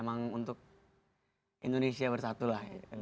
emang untuk indonesia bersatu lah